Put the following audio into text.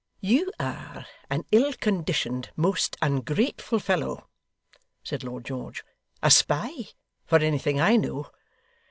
'You are an ill conditioned, most ungrateful fellow,' said Lord George: 'a spy, for anything I know.